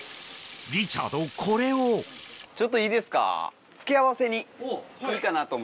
リチャードこれをちょっといいですか？